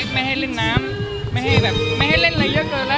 ไม่ให้เล่นน้ำไม่ให้แบบไม่ให้เล่นอะไรเยอะเกินแล้ว